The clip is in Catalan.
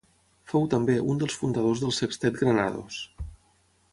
Fou, també, un dels fundadors del sextet Granados.